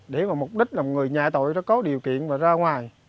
để mà mục đích là một người nhạy tội đã có điều kiện và ra ngoài